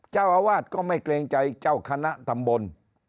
เจ้าอาวาสก็ไม่เกรงใจเจ้าคณะตำบล